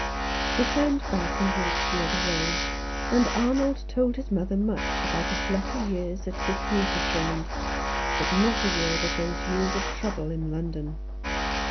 "They turned back and walked the other way, and Arnold told his mother much about his lucky years at Yv r itwatersrand. but not a word of those years of trouble in London.